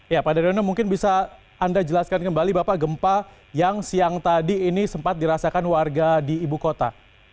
ya pak daryono mungkin bisa anda jelaskan kembali bapak gempa yang siang tadi ini sempat dirasakan warga di ibu kota